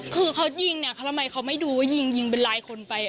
คือเขายิงเนี่ยเขาทำไมเขาไม่ดูว่ายิงยิงเป็นลายคนไป